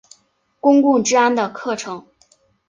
公共治安的课程。